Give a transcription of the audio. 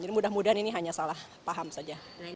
jadi mudah mudahan ini hanya salah paham saja